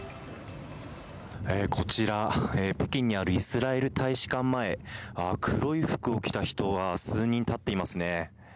こちら、北京にあるイスラエル大使館前、黒い服を着た人が数人立っていますね。